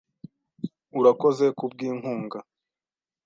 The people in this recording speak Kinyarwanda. Urakoze kubwinkunga .